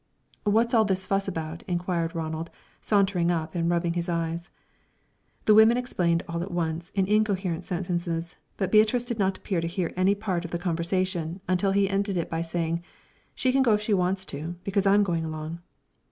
"What's all this fuss about?" inquired Ronald, sauntering up, and rubbing his eyes. The women explained all at once, in incoherent sentences; but Beatrice did not appear to hear any part of the conversation until he ended it by saying, "She can go if she wants to, because I'm going along."